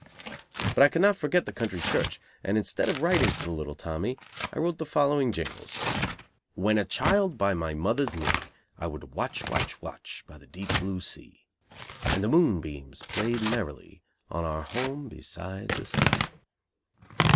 But I could not forget the country church, and instead of writing to the little Tommy, I wrote the following jingles: "When a child by mother's knee I would watch, watch, watch By the deep blue sea, And the moon beams played merrily On our home beside the sea.